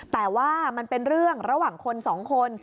แต่ว่ามันเป็นเรื่องระหว่างคนสองคน